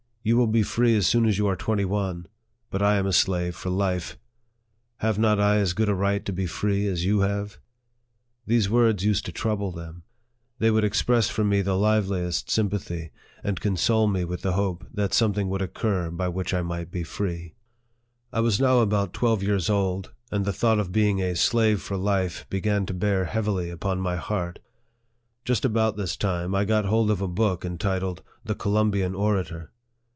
" You will be free as soon as you are twenty one, but I am a slave for life ! Have not I as good a right to be free as you have ?" These words used to trouble them ; they would express for me the liveliest sympathy, and console me with the hope that something would occur by which I might be free. I was now about twelve years old, and the thought of being a slave for life began to bear heavily upon my heart. Just about this time, I got hold of a book en titled " The Columbian Orator."